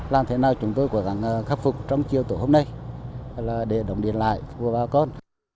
làm thế nào chúng tôi cố gắng khắc phục trong chiều tối hôm nay là để động điện lại của bà con